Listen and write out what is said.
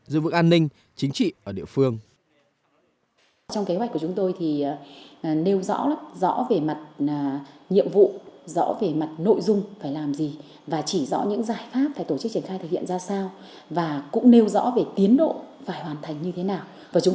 giữ vực an ninh chính trị ở địa phương